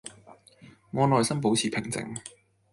我內心保持平靜